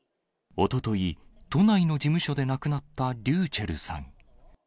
おととい、都内の事務所で亡くなったｒｙｕｃｈｅｌｌさん。